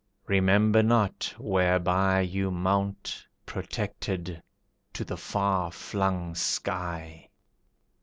Remember not whereby You mount, protected, to the far flung sky.